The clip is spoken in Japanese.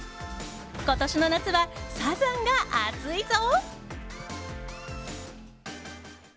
今年の夏はサザンが熱いぞ！